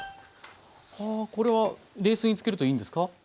これは冷水につけるといいんですか？